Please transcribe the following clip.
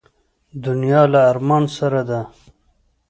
دنیا له ارمان سره ده.